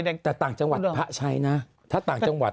แต่ต่างจังหวัดพระใช้นะถ้าต่างจังหวัด